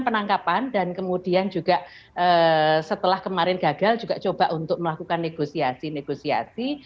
penangkapan dan kemudian juga setelah kemarin gagal juga coba untuk melakukan negosiasi negosiasi